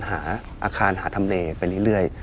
หาอาคารหาทำเลไปเรื่อย